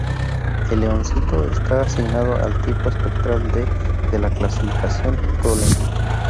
El Leoncito está asignado al tipo espectral D de la clasificación Tholen.